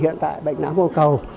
hiện tại bệnh nã mồ cầu